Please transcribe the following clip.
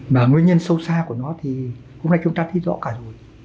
mà nguyên nhân sâu xa của nó thì hôm nay chúng ta thấy rõ cả rồi